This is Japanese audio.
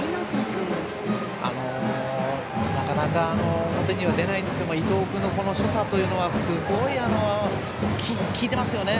なかなか表には出ないんですが伊藤君の所作というのはすごい効いてますよね。